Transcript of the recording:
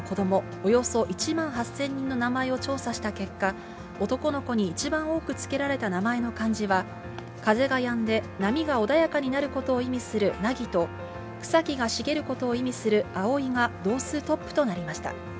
およそ１万８０００人の名前を調査した結果、男の子に一番多く付けられた名前の漢字は、風がやんで波が穏やかになることを意味する凪と、草木が茂ることを意味する蒼が、同数トップとなりました。